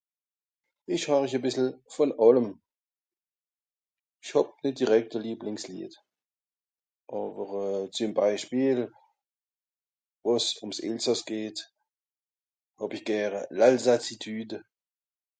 "Ich horich e bissel von àllem. Ich hàb nìtt direkt e Lieblingslied, àwer euh züm Beispiel, wàs ùm s Elsàss geht hàw ich gäre ""L'Alsacitude""."